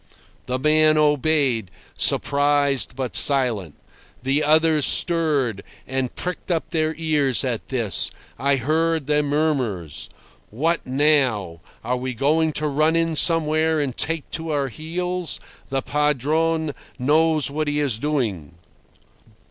The man obeyed, surprised, but silent. The others stirred, and pricked up their ears at this. I heard their murmurs. "What now? Are we going to run in somewhere and take to our heels? The Padrone knows what he is doing."